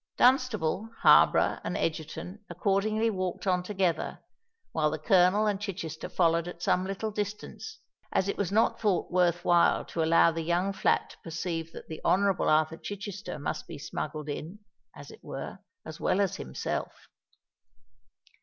Dunstable, Harborough, and Egerton accordingly walked on together; while the Colonel and Chichester followed at some little distance, as it was not thought worth while to allow the young flat to perceive that the Honourable Arthur Chichester must be smuggled in, as it were, as well as himself.